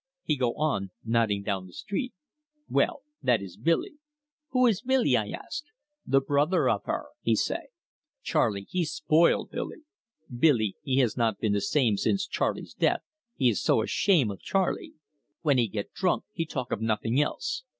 he go on, nodding down the street. 'Well, that is Billy.' 'Who is Billy?' I ask. 'The brother of her,' he say. 'Charley, he spoil Billy. Billy, he has not been the same since Charley's death he is so ashame of Charley. When he get drunk he talk of nothing else.